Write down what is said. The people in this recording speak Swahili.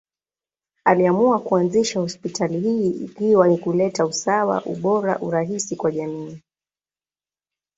Aliamua kuanzisha hospitali hii ikiwa ni kuleta usawa, ubora, urahisi kwa jamii.